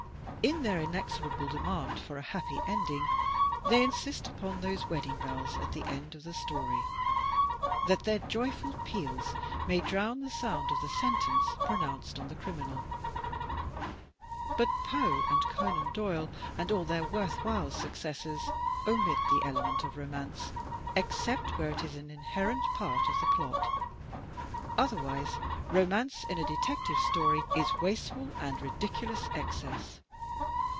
In their inexorable demand for "a happy ending," they insist upon those wedding bells at the end of the story, that their joyful peals may drown the sound of the sentence pronounced on the criminal. But Poe and Conan Doyle and all their worth while suc cessors omit the element of romance, except where it is an inherent part of the plot. Otherwise, romance in a Detective Story is wasteful and ridiculous excess.